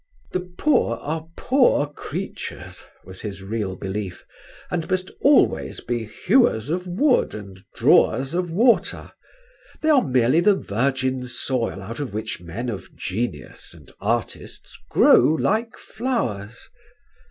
"The poor are poor creatures," was his real belief, "and must always be hewers of wood and drawers of water. They are merely the virgin soil out of which men of genius and artists grow like flowers.